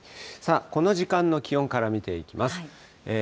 この時間の気温から見ていきます。